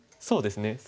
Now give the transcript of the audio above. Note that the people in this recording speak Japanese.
そうですね